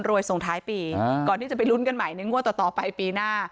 ส่งท้ายปีก่อนที่จะไปลุ้นกันใหม่ในงวดต่อไปปีหน้า